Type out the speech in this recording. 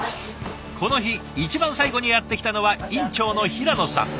この日一番最後にやって来たのは院長の平野さん。